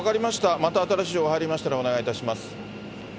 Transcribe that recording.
また新しい情報が入りましたら、お願いいたします。